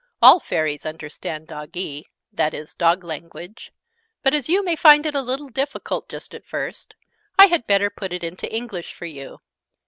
All Fairies understand Doggee that is, Dog language. But, as you may find it a little difficult, just at first, I had better put it into English for you.